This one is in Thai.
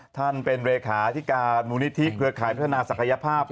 ท่านเป็นเลขาที่การมูลนิธิเครือข่ายพัฒนาศักยภาพ